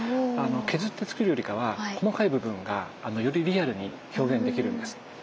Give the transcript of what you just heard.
削ってつくるよりかは細かい部分がよりリアルに表現できるんです。